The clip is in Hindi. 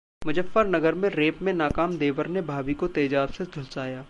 मुजफ्फरनगर में रेप में नाकाम देवर ने भाभी को तेजाब से झुलसाया